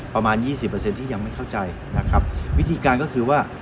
ประมาณยี่สิบเปอร์เซ็นต์ที่ยังไม่เข้าใจนะครับวิธีการก็คือว่า